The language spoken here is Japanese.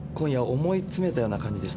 思い詰めたような感じでした。